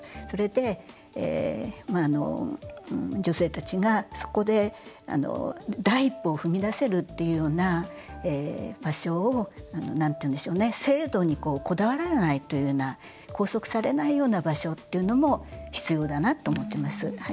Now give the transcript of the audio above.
それで女性たちが、そこで第一歩を踏み出せるというような場所を制度にこだわらないというような拘束されないような場所っていうのも必要だなと思っています。